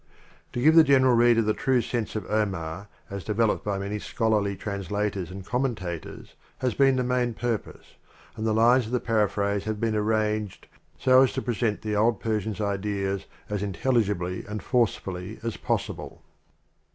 To give the general reader the true sense of Omar as developed by many scholarly translators and commenta tors, has been the main purpose, and the lines of the paraphrase have been arranged so as to present the old Persian s ideas as intelligibly and forcefully as possible.